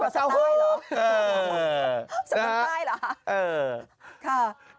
สำนักใต้หรอ